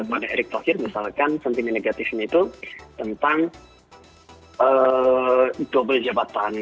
pada eric thauhir misalkan sentimen negatif ini itu tentang double jabatan